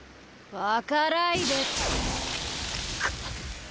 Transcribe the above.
分からいでか。